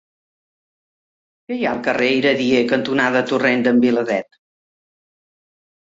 Què hi ha al carrer Iradier cantonada Torrent d'en Vidalet?